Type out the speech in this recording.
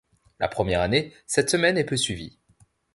La première année, cette semaine est peu suivie.